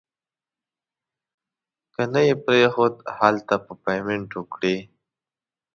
که نه یې پرېښود هلته به پیمنټ وکړي.